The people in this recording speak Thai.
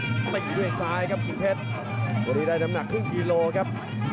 ตีด้วยซ้ายครับคุณเพชรวันนี้ได้น้ำหนักครึ่งกิโลครับ